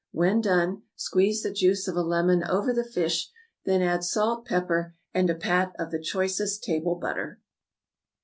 When done, squeeze the juice of a lemon over the fish, then add salt, pepper, and a pat of the choicest table butter.